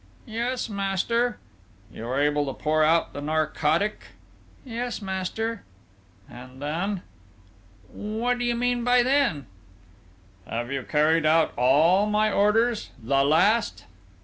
"Yes, master." "You were able to pour out the narcotic?" "Yes, master." "And then?" "What do you mean by then?" "Have you carried out all my orders ... the last?"